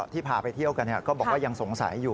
พาไปเที่ยวกันก็บอกว่ายังสงสัยอยู่